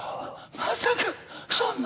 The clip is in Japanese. まさかそんな。